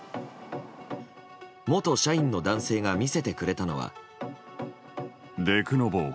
元社員の男性が見せてくれたのは。